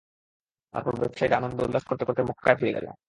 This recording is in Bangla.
তারপর ব্যবসায়ীরা আনন্দ উল্লাস করতে করতে মক্কায় ফিরে গেল।